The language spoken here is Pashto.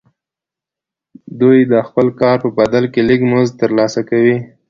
دوی د خپل کار په بدل کې لږ مزد ترلاسه کوي